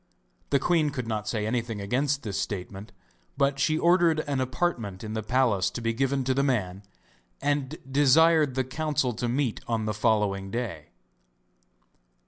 The queen could not say anything against this statement; but she ordered an apartment in the palace to be given to the man, and desired the council to meet on the following day.